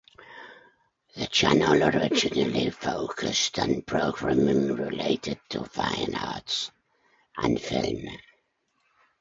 The channel originally focused on programming related to fine arts and film.